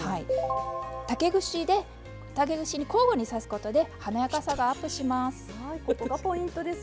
竹串に交互に刺すことで華やかさがアップします。